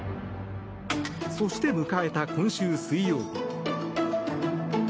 そして迎えた今週水曜日。